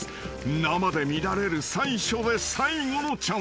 生で見られる最初で最後のチャンスかも］